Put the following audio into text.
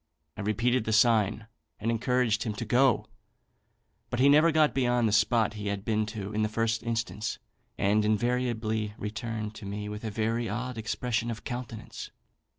I repeated the sign, and encouraged him to go; but he never got beyond the spot he had been to in the first instance, and invariably returned to me with a very odd expression of countenance.